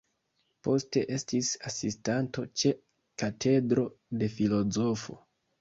Poste estis asistanto ĉe katedro de filozofio.